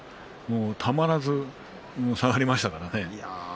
たまらず下がりましたからね。